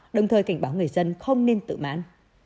đồng thời cảnh báo người dân không nên tự mãn